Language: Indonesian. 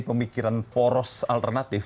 pemikiran poros alternatif